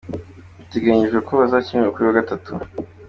Biteganyijwe ko azashyingurwa kuri uyu wa Gatatu.